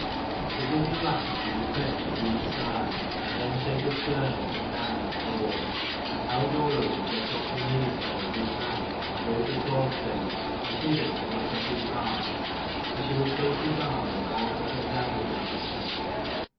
But if he laughed, he would fetch a deep sigh, and then take a turn up and down the floor : and Halldora would get off the knees of her good man and go to Thorstein and bid him pluck up heart : and she would take his arm and walk up and down a bit with him.